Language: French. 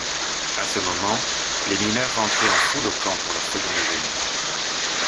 À ce moment, les mineurs rentraient en foule au camp pour leur second déjeuner.